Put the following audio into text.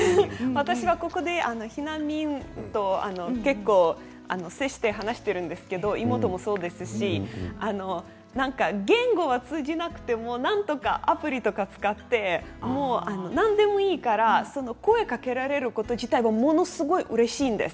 私はここで避難民と結構、接して話しているんですけど妹もそうですし言語は通じなくてもなんとかアプリとか使って何でもいいから声をかけられること自体がものすごいうれしいです。